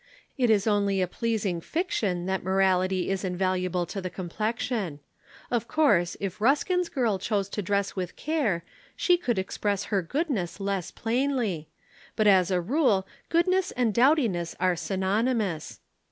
It is only a pleasing fiction that morality is invaluable to the complexion. Of course if Ruskin's girl chose to dress with care, she could express her goodness less plainly; but as a rule goodness and dowdiness are synonymous.